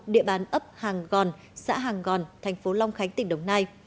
địa bàn ấp hàng gòn xã hàng gòn thành phố long khánh tỉnh đồng nai